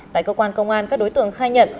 tại cơ quan công an các đối tượng khai nhận